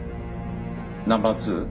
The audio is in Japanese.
ナンバー２？